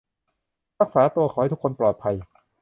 รักษาตัว ขอให้ทุกคนปลอดภัย